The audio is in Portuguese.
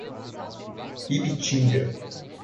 Ibitinga